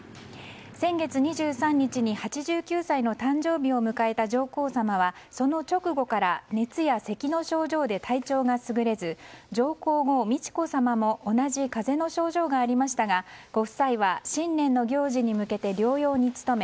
先月２３日に８９歳の誕生日を迎えた上皇さまはその直後から熱やせきの症状で体調がすぐれず上皇后・美智子さまも同じ風邪の症状がありましたがご夫妻は新年の行事に向けて療養に努め